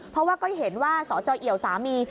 เพราะว่าก็เห็นว่าสจเอี่ยวสามี